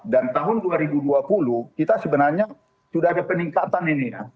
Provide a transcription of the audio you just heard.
dan tahun dua ribu dua puluh kita sebenarnya sudah ada peningkatan ini ya